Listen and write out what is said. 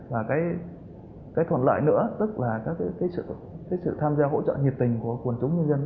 và cái thuận lợi nữa tức là sự tham gia hỗ trợ nhiệt tình của quần chúng nhân dân